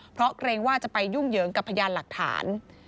เพราะเกรงว่าจะไปยุ่งเหยิงกับพยานหลักฐาน